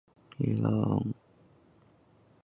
并非是上文说的王桓之子王尹和。